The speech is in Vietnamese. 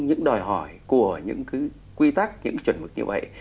những đòi hỏi của những cái quy tắc những chuẩn mực như vậy